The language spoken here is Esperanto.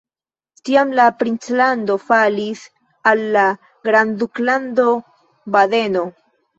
Tiam la princlando falis al la Grandduklando Badeno.